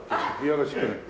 よろしくね。